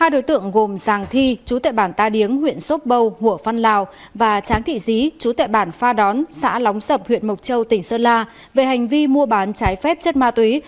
ba đối tượng gồm giàng thi chú tệ bản ta điếng huyện sốt bâu hủa phan lào và tráng thị dí chú tại bản pha đón xã lóng sập huyện mộc châu tỉnh sơn la về hành vi mua bán trái phép chất ma túy